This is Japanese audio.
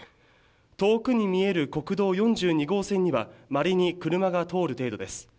遠くに見える国道４２号線にはまれに車が通る程度です。